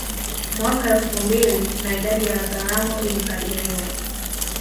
Mwaka elfu mbili na idadi ya Wazaramo ilikadiriwa